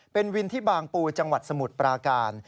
เป็นวินที่บางปูจังหวัดสมุทรปราการ